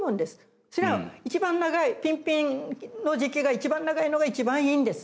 そりゃ一番長いピンピンの時期が一番長いのが一番いいんです。